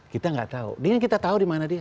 kita gak tau dia ingin kita tau dimana dia